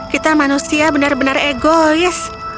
kita manusia benar benar egois